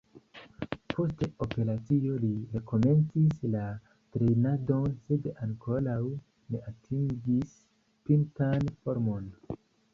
Post operacio li rekomencis la trejnadon sed ankoraŭ ne atingis pintan formon.